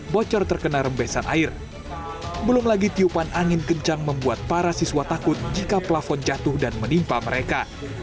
belum lagi tiupan angin kencang membuat para siswa takut jika pelafon jatuh dan menimpa mereka